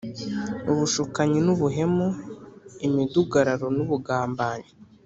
ubushukanyi n’ubuhemu, imidugararo n’ubugambanyi,